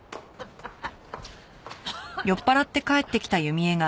アハハハ！